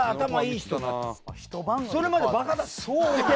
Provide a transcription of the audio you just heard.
それまでバカだった。